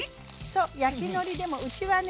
そう焼きのりでもうちはね